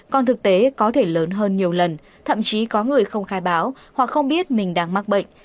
còn thực tế có thể lớn hơn nhiều lần thậm chí có người không khai báo hoặc không biết mình đang mắc bệnh